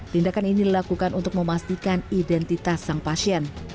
tindakan ini dilakukan untuk memastikan identitas sang pasien